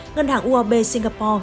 ngân hàng uob singapore